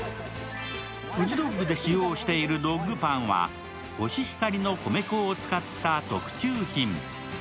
フジドッグで使用しているドッグパンはコシヒカリの米粉を使った特注品。